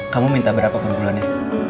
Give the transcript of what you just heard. kamu minta berapa perbulannya